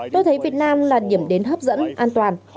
tôi thấy việt nam là điểm đến hấp dẫn an toàn